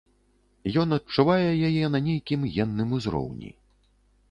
Ён адчувае яе на нейкім генным узроўні.